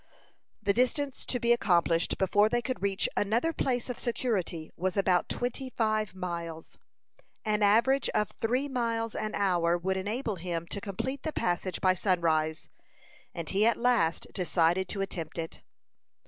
The distance to be accomplished before they could reach another place of security was about twenty five miles. An average of three miles an hour would enable him to complete the passage by sunrise, and he at last decided to attempt it.